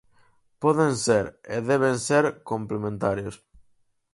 Poden ser, e deben ser, complementarios.